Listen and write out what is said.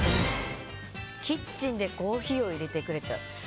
キッチンでコーヒーをいれてくれた。